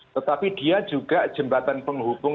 tetapi dia juga jembatan penghubung